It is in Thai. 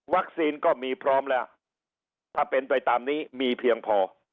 ก็มีพร้อมแล้วถ้าเป็นไปตามนี้มีเพียงพอ